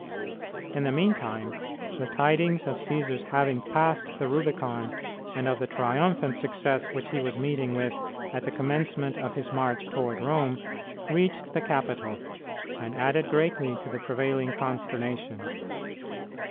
In the meantime, the tidings of Cćsar's having passed the Rubicon, and of the triumphant success which he was meeting with at the commencement of his march toward Rome, reached the capital, and added greatly to the prevailing consternation.